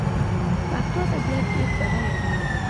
پښتو ادبيات ډېر بډايه دي.